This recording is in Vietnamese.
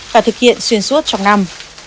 và thực hiện xuyên suốt trong năm